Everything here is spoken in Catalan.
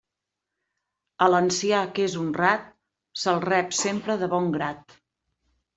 A l'ancià que és honrat, se'l rep sempre de bon grat.